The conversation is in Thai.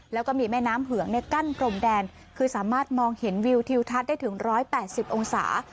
แล้วก็มีแม่น้ำเหืองกั้นพรมแดนคือสามารถมองเห็นวิวทิวทัศน์ได้ถึง๑๘๐องศา